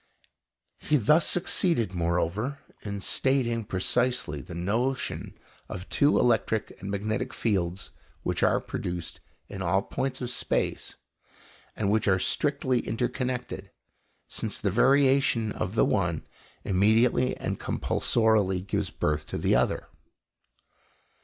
He thus succeeded, moreover, in stating precisely the notion of two electric and magnetic fields which are produced in all points of space, and which are strictly inter connected, since the variation of the one immediately and compulsorily gives birth to the other.